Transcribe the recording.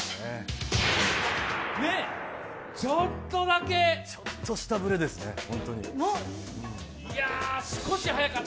ちょっとしたブレですね